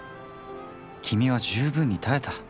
君は十分に耐えた。